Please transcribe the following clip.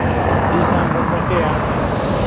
دیسان بەزمەکەیە.